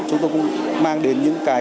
chúng tôi cũng mang đến những cái